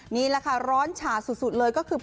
นี่แหละค่ะร้อนฉาสุดเลยก็คือ